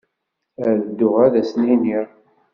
Ad dduɣ ad asen-iniɣ.